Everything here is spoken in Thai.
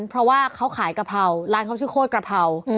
เพราะว่าเขาขายกะเพราร้านเขาชื่อโคตรกระเพรา